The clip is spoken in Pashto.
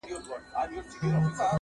څرنګه به ستر خالق ما د بل په تور نیسي.!